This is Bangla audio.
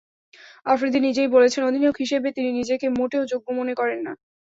আফ্রিদি নিজেই বলেছেন, অধিনায়ক হিসেবে তিনি নিজেকে মোটেও যোগ্য মনে করেন না।